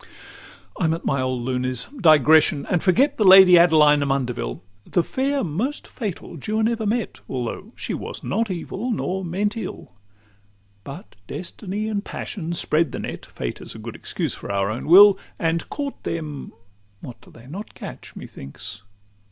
XII I'm "at my old lunes" digression, and forget The Lady Adeline Amundeville; The fair most fatal Juan ever met, Although she was not evil nor meant ill; But Destiny and Passion spread the net (Fate is a good excuse for our own will), And caught them; what do they not catch, methinks?